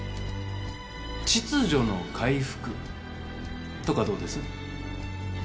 秩序の回復とかどうです？